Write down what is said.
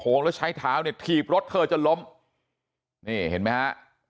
งแล้วใช้เท้าเนี่ยถีบรถเธอจนล้มนี่เห็นไหมฮะ